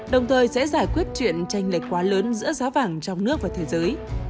đồng thời sẽ giải quyết chuyện tranh lệch quá lớn giữa giá vàng trong nước và thế giới